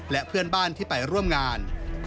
และเพื่อนบ้านที่ไปร่วมงาน